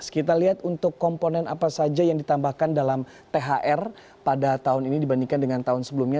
kita lihat untuk komponen apa saja yang ditambahkan dalam thr pada tahun ini dibandingkan dengan tahun sebelumnya